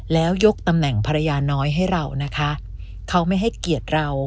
แล้วยกตำแหน่งภรรยาน้อยให้เรานะคะเขาไม่ให้เกียรติเรา